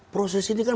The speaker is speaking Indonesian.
proses ini kan